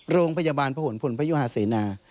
โรงพยาบาลพระหวนพลพระยุฮาเสนา